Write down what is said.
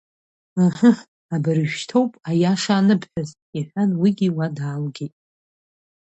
Ыҳыҳ, абыржәшьҭоуп аиаша аныбҳәаз, — иҳәан уигьы уа даалгеит.